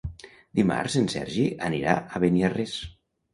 Dimarts en Sergi anirà a Beniarrés.